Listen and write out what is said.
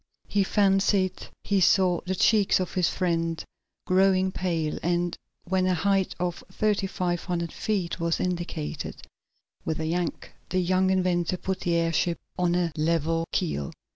He fancied he saw the cheeks of his friend growing pale, and, when a height of thirty five hundred feet was indicated, with a yank the young inventor put the airship on a level keel.